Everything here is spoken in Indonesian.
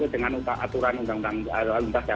dan keputusan undang undang